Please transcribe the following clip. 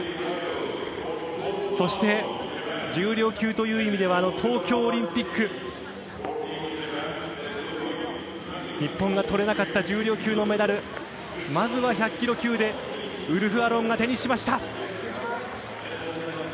そして、重量級という意味では東京オリンピック日本がとれなかった重量級のメダルまずは１００ｋｇ級でウルフ・アロンが手にしました。